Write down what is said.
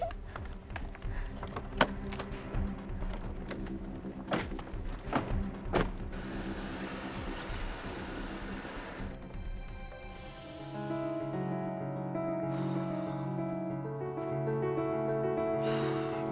pasti enak banget